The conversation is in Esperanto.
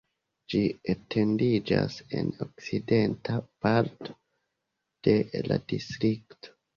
Ĝi etendiĝas en okcidenta parto de la distrikto.